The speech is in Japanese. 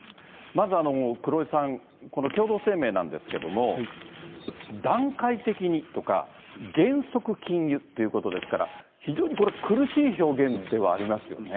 まず黒井さん、この共同声明なんですけれども、段階的にとか、原則禁輸っていうことですから、非常にこれ、苦しい表現ではありますよね。